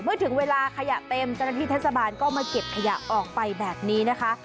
เมื่อถึงเวลาขยะเต็มจริงที่เทศบาลก็มาเก็บขยะออกไปแบบนี้นะคะ